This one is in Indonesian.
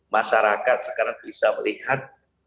masyarakat sekarang bisa melihat